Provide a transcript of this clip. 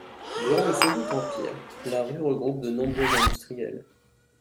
Durant le Second Empire, la rue regroupe de nombreux industriels.